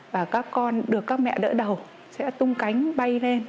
và được các mẹ đỡ đầu sẽ tung cánh bay lên